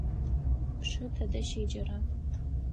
Пшы тыдэ щеджэра?